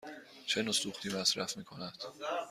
چه نوع سوختی مصرف می کند؟